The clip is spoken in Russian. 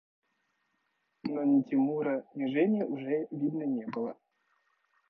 Но ни Тимура, ни Жени уже видно не было.